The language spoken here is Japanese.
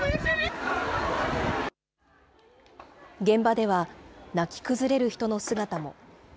現場では、泣き崩れる人の姿も。